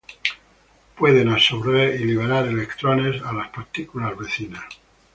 Pueden absorber y liberar electrones a las partículas vecinas.